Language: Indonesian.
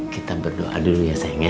kita berdoa dulu ya sayang ya